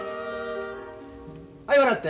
はい笑って。